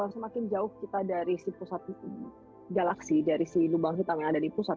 semakin jauh kita dari pusat galaksi dari lubang hitam yang ada di pusat